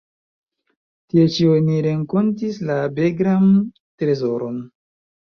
Tie ĉi oni renkontis la Begram-Trezoron.